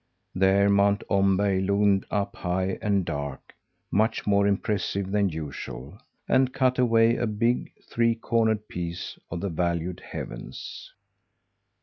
There Mount Omberg loomed up high and dark, much more impressive than usual, and, cut away a big, three cornered piece of the vaulted heavens.